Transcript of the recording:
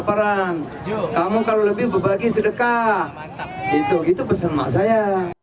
kamu kalau laparan kamu kalau lebih berbagi sedekah itu pesan emak saya